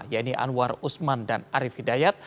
yaitu anwar usman dan arief hidayat